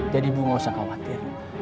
jadi bu nggak usah khawatir